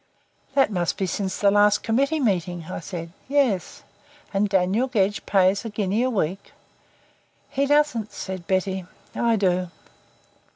"That must be since the last Committee Meeting," I said. "Yes." "And Daniel Gedge pays a guinea a week?" "He doesn't," said Betty. "I do."